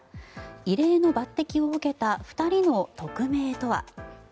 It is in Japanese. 異例の抜てきを受けた２人の特命とは。